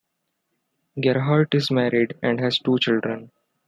Gerhardt is married and has two children.